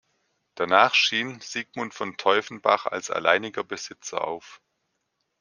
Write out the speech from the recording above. Danach schien Siegmund von Teuffenbach als alleiniger Besitzer auf.